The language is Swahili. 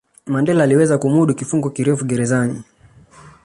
Mandela aliweza kumudu kifungo kirefu gerezani